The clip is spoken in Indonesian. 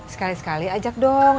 sekali sekali ajak dong